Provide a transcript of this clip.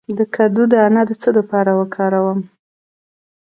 د کدو دانه د څه لپاره وکاروم؟